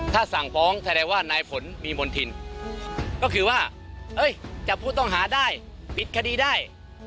ถ้าสั่งฟ้องแสดงว่านายผลมีมณฑินก็คือว่าจับผู้ต้องหาได้ปิดคดีได้